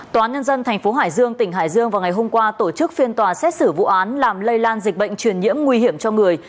tòa nhân dân tp hải dương tỉnh hải dương vào ngày hôm qua tổ chức phiên tòa xét xử vụ án làm lây lan dịch bệnh truyền nhiễm nguy hiểm cho người